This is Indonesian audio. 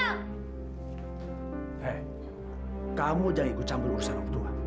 hei kamu jangan ikut campur urusan tuhan